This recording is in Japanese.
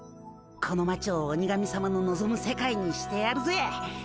この町を鬼神さまののぞむ世界にしてやるぜ。